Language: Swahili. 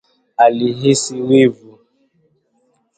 Alihisi wivu